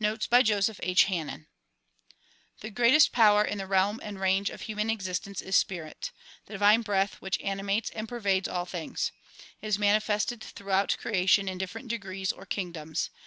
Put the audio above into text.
Notes by Joseph H. Hannen 'T^HE greatest power in the realm and range of human existence * is spirit, — the divine breath which animates and pervades all things. It is manifested throughout creation in different degrees or kingdoms.